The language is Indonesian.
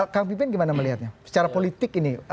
kang pipin gimana melihatnya secara politik ini